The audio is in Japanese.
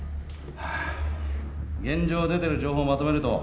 ハァ現状出てる情報をまとめると。